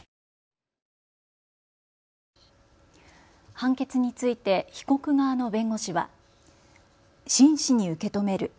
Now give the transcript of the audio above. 判決について被告側の弁護士は真摯に受け止める。